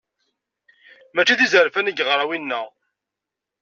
Mačči d izerfan i yeɣra winna.